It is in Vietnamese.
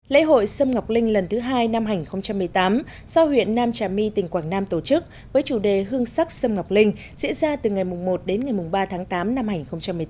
lễ hội sâm ngọc linh lần thứ hai năm hai nghìn một mươi tám do huyện nam trà my tỉnh quảng nam tổ chức với chủ đề hương sắc sâm ngọc linh diễn ra từ ngày một đến ngày ba tháng tám năm hai nghìn một mươi tám